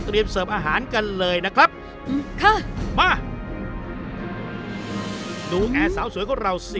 ดูแอบสาวสวยของเรา่นนี่ดูแอบสาวสวยของเรานี่